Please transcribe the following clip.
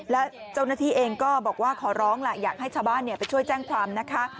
และเจ้าหน้าที่เองก็บอกว่าขอร้องแหละอยากให้ชาวบ้านไปช่วยแจ้งความนะคะ